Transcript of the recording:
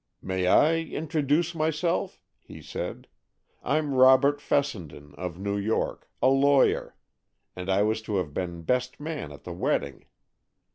"May I introduce myself?" he said. "I'm Robert Fessenden, of New York, a lawyer, and I was to have been best man at the wedding.